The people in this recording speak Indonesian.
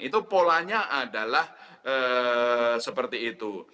itu polanya adalah seperti itu